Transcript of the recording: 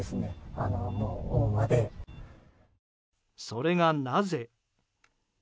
それが、なぜ？